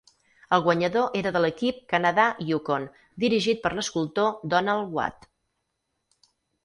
El guanyador era de l'equip Canada - Yukon, dirigit per l'escultor Donald Watt.